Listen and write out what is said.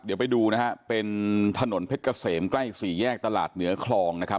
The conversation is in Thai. เดี๋ยวไปดูนะฮะเป็นถนนเพชรเกษมใกล้สี่แยกตลาดเหนือคลองนะครับ